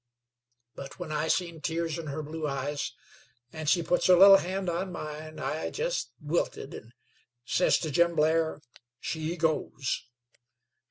But when I seen tears in her blue eyes, an' she puts her little hand on mine, I jest wilted, an' says to Jim Blair, 'She goes.'